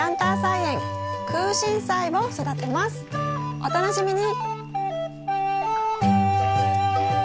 お楽しみに！